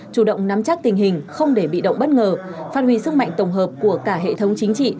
chủ động nắm chắc tình hình không để bị động bất ngờ phát huy sức mạnh tổng hợp của cả hệ thống chính trị